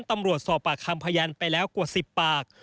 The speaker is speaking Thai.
ตำรวจสอบปากคำพยานไปแล้วกว่า๑๐ปาก